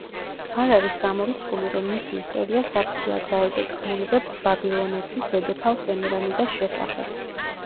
არ არის გამორიცხული, რომ მისი ისტორია საფუძვლად დაედო თქმულებებს ბაბილონეთის დედოფალ სემირამიდას შესახებ.